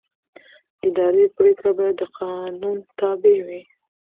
اداري پرېکړه باید د قانون تابع وي.